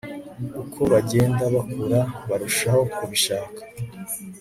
Uko bagenda bakura barushaho kubishaka